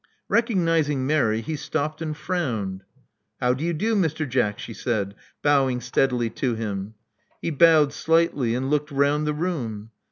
Recog nizing Mary, he stopped and frowned. "How do you do, Mr. Jack?" she said, bowing steadily to him. He bowed slightly, and looked round the room.